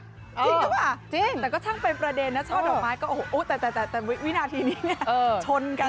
จริงกันป่ะจริงแต่ก็ช่างเป็นประเด็นนะช่อดอกไม้แต่วินาทีนี้ชนกัน